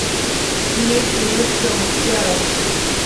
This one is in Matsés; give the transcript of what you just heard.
¿mitsiuëshquio mëquiado?